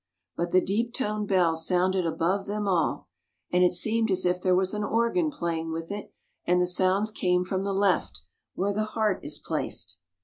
But the deep toned bell sounded above them all, and it THE BELL 347 seemed as if there was an organ playing with it, and the sounds came from the left, where the heart is placed.